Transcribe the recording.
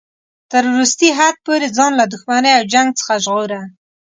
تر وروستي حد پورې ځان له دښمنۍ او جنګ څخه ژغوره.